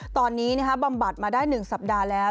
ตอนนี้บำบัดมาได้๑สัปดาห์แล้ว